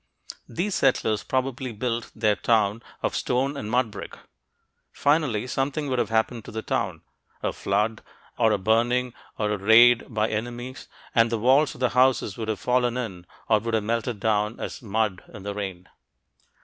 These settlers probably built their town of stone and mud brick. Finally, something would have happened to the town a flood, or a burning, or a raid by enemies and the walls of the houses would have fallen in or would have melted down as mud in the rain.